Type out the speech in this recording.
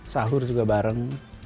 sahur juga bareng